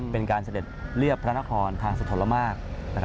เป็นการเสด็จเรียบพระนครทางสถลมาก